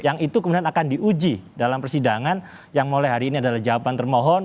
yang itu kemudian akan diuji dalam persidangan yang mulai hari ini adalah jawaban termohon